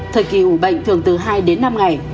thời kỳ ủ bệnh thường từ hai đến năm ngày